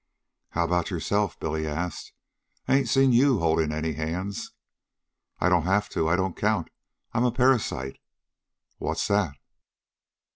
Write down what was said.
"How about yourself?" Billy asked. "I ain't seen you holdin' any hands." "I don't have to. I don't count. I am a parasite." "What's that?"